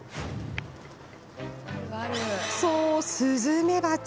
そう、スズメバチ。